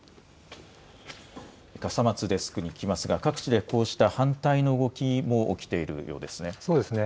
笠松デスクに聞きますが、各地でこうした反対の動きも起きているようですね。